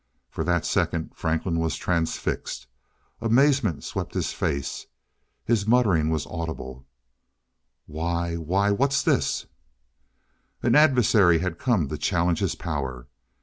For that second Franklin was transfixed. Amazement swept his face. His muttering was audible: "Why why what's this " An adversary had come to challenge his power.